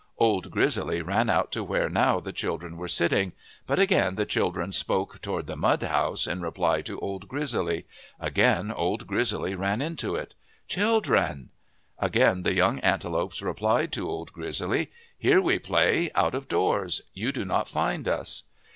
Old Grizzly ran out to where now the children were sitting. But again the children spoke toward the mud house in reply to Old Grizzly. Again Old Grizzly ran into it. " Children !" Again the young antelopes replied to Old Grizzly :" Here we play, out of doors. You do not find us."